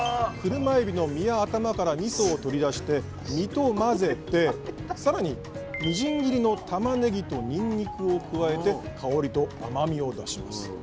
クルマエビの身や頭からみそを取り出して身と混ぜて更にみじん切りのたまねぎとにんにくを加えて香りと甘みを出します。